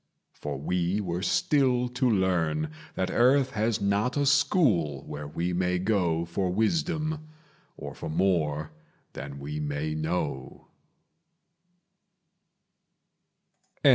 For we were still to learn That earth has not a school where we may go For wisdom, or for more than we may know.